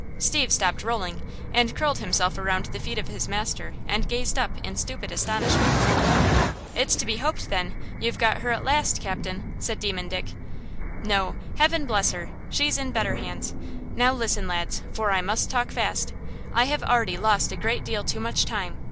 Steve stopped rolling, and curled himself around the feet of his master and gazed up in stupid astonishment. "It's to be hoped, then, you've got her at last, captain," said Demon Dick. "No–heaven bless her!–she's in better hands. Now listen, lads, for I must talk fast! I have already lost a great deal too much time.